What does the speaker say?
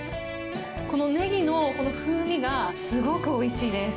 このネギの風味がすごくおいしいです。